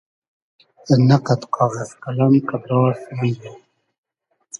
نۂ قئد قاغئز قئلئم قئدراس مئندی